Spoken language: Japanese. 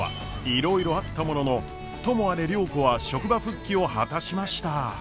いろいろあったもののともあれ良子は職場復帰を果たしました。